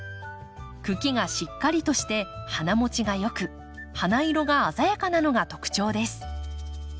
茎がしっかりとして花もちが良く花色が鮮やかなのが特徴です。